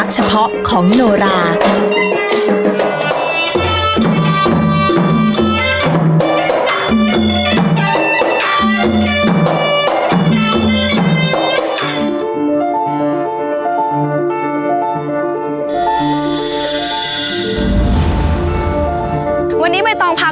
คุณผู้ชมอยู่กับดิฉันใบตองราชนุกูลที่จังหวัดสงคลาค่ะ